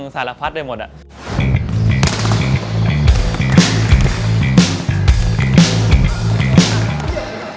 สารพัดได้หมดอ่ะ